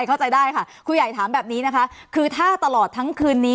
เข้าใจได้ค่ะครูใหญ่ถามแบบนี้นะคะคือถ้าตลอดทั้งคืนนี้